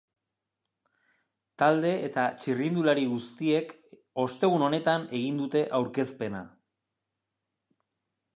Talde eta txirrindulari guztiek ostegun honetan egin dute aurkezpena.